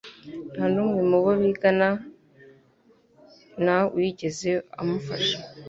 Nta n'umwe mu bo bigana na wigeze amufasha.